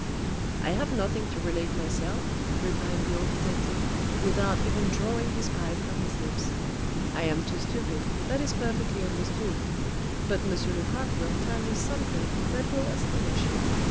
"I have nothing to relate myself," replied the old detective, without even drawing his pipe from his lips, "I am too stupid, that is perfectly understood. But Monsieur Lecoq will tell you something that will astonish you."